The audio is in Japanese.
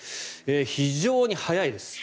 非常に速いです。